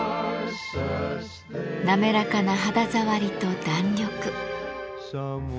滑らかな肌触りと弾力。